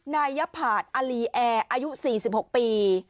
ยผาดอลีแอร์อายุ๔๖ปี